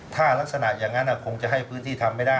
ถ้ารักษณะอย่างนั้นคงจะให้พื้นที่ทำไม่ได้